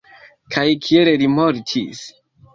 Kaj kiel li mortis?